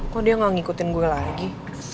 kok dia gak ngikutin gue lagi